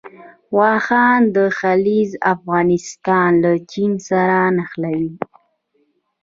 واخان دهلیز افغانستان له چین سره نښلوي